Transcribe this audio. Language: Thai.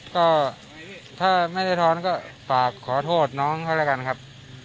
ก็ถ้าไม่ได้ท้อนก็ฝากขอโทษน้องเขาแล้วกันครับ